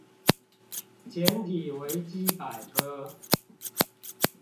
檢體維基百科